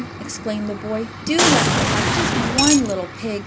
exclaimed the boy, "do let me have just one little pig.